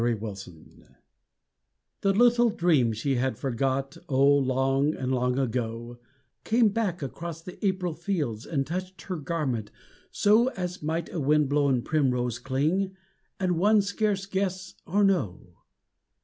THE VAGABOND The little dream she had forgot Oh, long and long ago, Came back across the April fields And touched her garment so (As might a wind blown primrose cling And one scarce guess or know.)